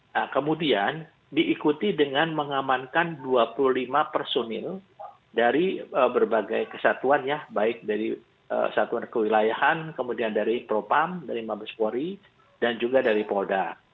nah kemudian diikuti dengan mengamankan dua puluh lima personil dari berbagai kesatuan ya baik dari satuan kewilayahan kemudian dari propam dari mabespori dan juga dari polda